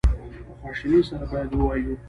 په خواشینی سره باید ووایو.